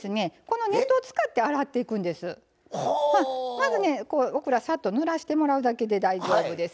まずねオクラをさっとぬらしてもらうだけで大丈夫です。